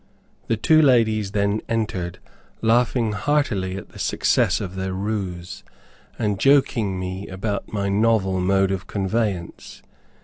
The two ladies then entered, laughing heartily at the success of their ruse, and joking me about my novel mode of conveyance.